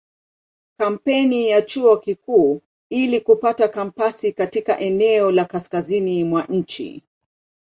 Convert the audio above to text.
Kampeni ya Chuo Kikuu ili kupata kampasi katika eneo la kaskazini mwa nchi.